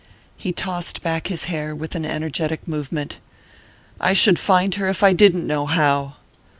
He tossed back his hair with an energetic movement. "I should find her if I didn't know how!"